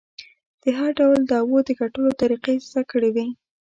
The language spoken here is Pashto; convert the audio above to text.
د هر ډول دعوو د ګټلو طریقې یې زده کړې وې.